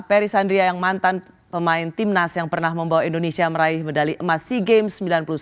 peri sandria yang mantan pemain timnas yang pernah membawa indonesia meraih medali emas sea games sembilan puluh satu